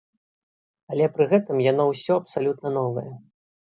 Але пры гэтым яно ўсё абсалютна новае.